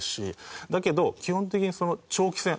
だけど基本的にその長期戦。